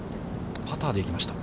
パターで行きました。